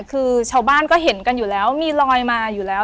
คือชาวบ้านก็เห็นกันอยู่แล้วมีลอยมาอยู่แล้ว